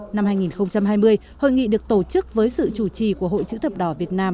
năm hai nghìn hai mươi hội nghị được tổ chức với sự chủ trì của hội chữ thập đỏ việt nam